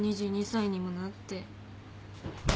２２歳にもなって。